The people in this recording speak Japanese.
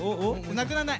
なくなんない！